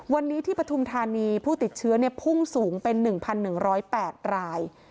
วันนี้ที่ปฐุมธานีผู้ติดเชื้อพุ่งสูงเป็น๑๑๐๘ราย